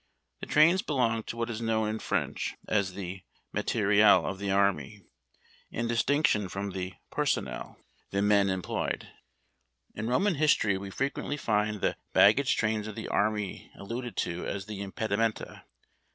Tlie trains belong to what is known in French as the materiel of the army, in distinction from the personnel, the 352 HARD TACK AND COFFEE. men employed. In Roman history we frequently find the bag gage trains of the army alluded to as the impedimenta.